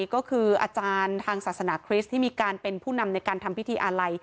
ก็คืออาจารย์ทางศาสนาคริสต์ที่มีการเป็นผู้นำในการทำพิธีอาลัย